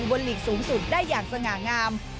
หลีกสูงสุดได้อย่างสง่างาม